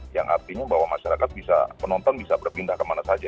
yang artinya bahwa masyarakat bisa penonton bisa berpindah kemana saja